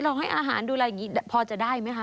ลองให้อาหารดูอะไรอย่างนี้พอจะได้ไหมคะ